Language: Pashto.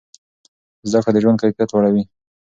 زده کړه د ژوند کیفیت لوړوي.